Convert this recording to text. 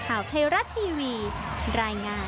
กลายเป็นประเพณีที่สืบทอดมาอย่างยาวนาน